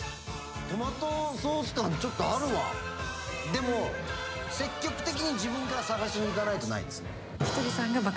でも積極的に自分から探しにいかないとないですね。